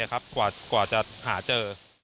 กว่าจะหาเจอ